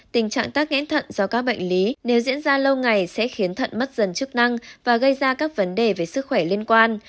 tình trạng tắc nghẽn thận do các bệnh lý nếu diễn ra lâu ngày sẽ khiến thận mất dần chức năng và gây ra các vấn đề về sức khỏe liên quan